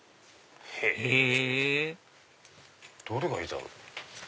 へぇどれがいいだろう？